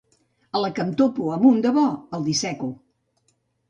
A la que em topo amb un de bo, el disseco.